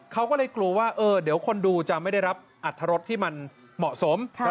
เขาก็เลยกลัวว่าเดี๋ยวคนดูจะไม่ได้รับอัตรรสที่มันเหมาะสม